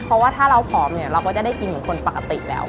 เพราะว่าถ้าเราผอมเนี่ยเราก็จะได้กินเหมือนคนปกติแล้ว